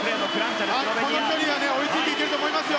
この距離は追いついていけると思いますよ。